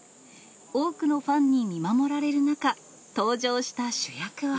多くのファンに見守られる中、登場した主役は。